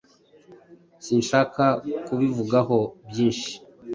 Sinshaka kubivugaho byinshi.